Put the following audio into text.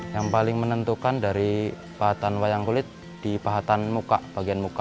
yang paling menentukan dari pahatan wayang kulit di pahatan muka bagian muka